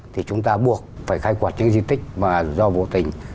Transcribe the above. thì chúng ta buộc phải khai quật những di tích mà do vô tình